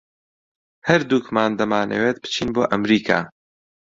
ھەردووکمان دەمانەوێت بچین بۆ ئەمریکا.